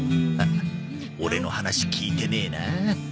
オレの話聞いてねえな。